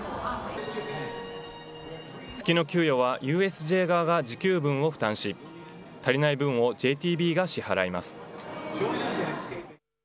月の給与はＵＳＪ側が時給分を負担し、足りない分をＪＴＢが支払います。